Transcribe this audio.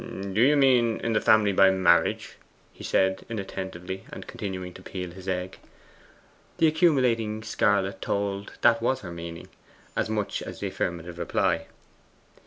'Do you mean in the family by marriage?' he replied inattentively, and continuing to peel his egg. The accumulating scarlet told that was her meaning, as much as the affirmative reply.